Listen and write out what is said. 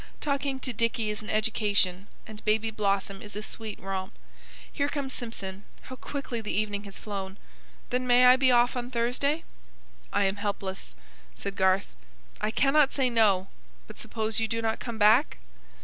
Talking to Dicky is an education; and Baby Blossom is a sweet romp. Here comes Simpson. How quickly the evening has flown. Then may I be off on Thursday?" "I am helpless," said Garth. "I cannot say 'no.' But suppose you do not come back?"